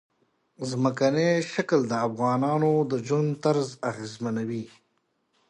ځمکنی شکل د افغانانو د ژوند طرز اغېزمنوي.